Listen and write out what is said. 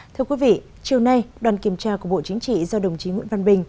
thưa quý vị chiều nay đoàn kiểm tra của bộ chính trị do đồng chí nguyễn văn bình